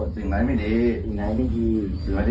สิ่งไหนไม่ดี